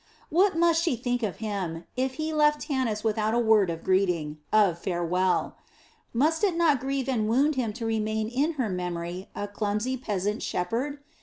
What must she think of him, if he left Tanis without a word of greeting, of farewell. Must it not grieve and wound him to remain in her memory a clumsy peasant shepherd?